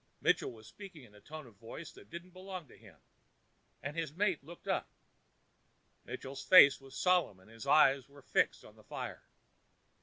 Mitchell was speaking in a tone of voice that didn't belong to him, and his mate looked up. Mitchell's face was solemn, and his eyes were fixed on the fire.